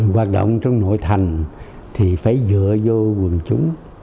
hoạt động trong nội thành thì phải dựa vô quần chúng